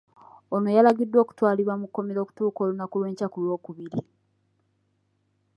Ono yalagiddwa okutwalibwa mu kkomera okutuuka olunaku lw'enkya ku Lwokubiri.